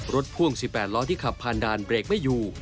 พ่วง๑๘ล้อที่ขับผ่านด่านเบรกไม่อยู่